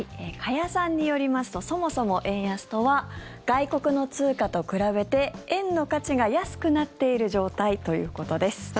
加谷さんによりますとそもそも円安とは外国の通貨と比べて円の価値が安くなっている状態ということです。